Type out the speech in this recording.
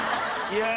いや。